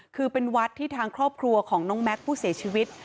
คือเป็นวัดที่ทางครอบครัวของน้องแม็กซ์ผู้เสียชีวิต